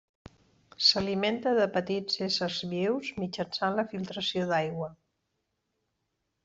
S'alimenta de petits éssers vius mitjançant la filtració d'aigua.